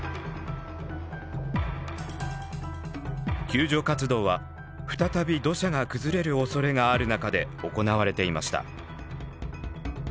救助活動は再び土砂が崩れるおそれがある中で行われていました。